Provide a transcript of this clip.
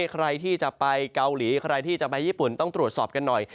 ใครที่จะไปเกาหลีใครที่จะไปญี่ปุ่นต้องตรวจสอบกันหน่อย